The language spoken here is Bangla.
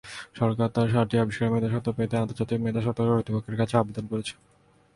সরকার তাঁর সাতটি আবিষ্কারের মেধাস্বত্ব পেতে আন্তর্জাতিক মেধাস্বত্ব কর্তৃপক্ষের কাছে আবেদন করেছে।